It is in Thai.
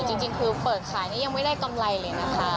จริงคือเปิดขายนี่ยังไม่ได้กำไรเลยนะคะ